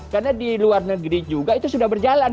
karena di luar negeri juga itu sudah berjalan